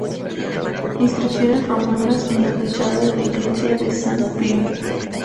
Inscripciones romanas en la fachada de la iglesia de Sant Pere.